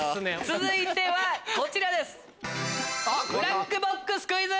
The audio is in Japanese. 続いてはこちらです。